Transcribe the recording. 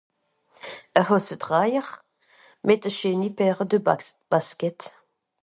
hosetrajer